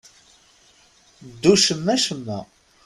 Ddu cemma-cemma.